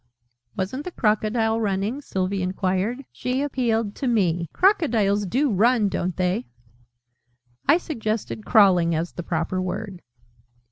"Wasn't the Crocodile running?" Sylvie enquired. She appealed to me. "Crocodiles do run, don't they?" I suggested "crawling" as the proper word.